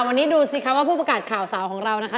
วันนี้ดูสิคะว่าผู้ประกาศข่าวสาวของเรานะคะ